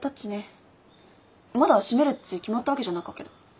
まだ閉めるっち決まったわけじゃなかけど。